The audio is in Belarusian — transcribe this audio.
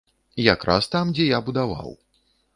Якраз там, дзе я будаваў.